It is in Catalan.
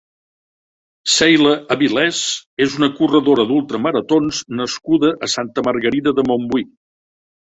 Sheila Avilés és una corredora d'ultramaratons nascuda a Santa Margarida de Montbui.